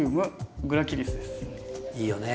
いいよね。